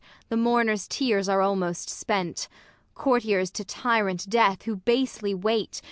the mourners tears are almost spent. Courtiers to tyrant death who basely wait.